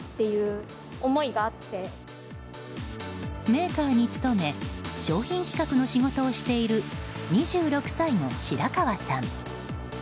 メーカーに勤め商品企画の仕事をしている２６歳の白河さん。